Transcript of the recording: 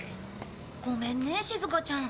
ごめんねしずかちゃん。